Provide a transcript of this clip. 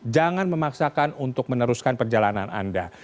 jangan memaksakan untuk meneruskan perjalanan anda